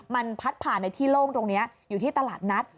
มันพัดผ่านในที่โล่งตรงนี้อยู่ที่ตลาดนัด